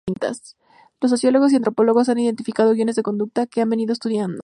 Los sociólogos y antropólogos han identificado guiones de conducta que ha venido estudiando.